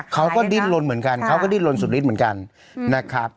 เขาก็ดิ้นลนเหมือนกันเขาก็ดิ้นลนสุดฤทธิ์เหมือนกันนะครับ